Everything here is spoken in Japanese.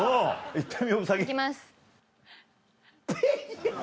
行きます。